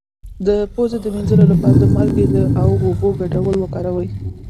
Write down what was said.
د پوزې د مینځلو لپاره د مالګې او اوبو ګډول وکاروئ